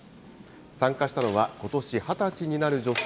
参加したのは、ことし２０歳になる女性